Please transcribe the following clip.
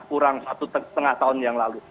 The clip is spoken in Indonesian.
kurang satu setengah tahun yang lalu